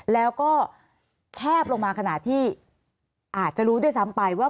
แล้วก็แคบลงมาขนาดที่อาจจะรู้ด้วยซ้ำไปว่า